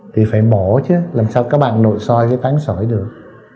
thì phải mổ chứ làm sao các bạn nội soi với tán sỏi được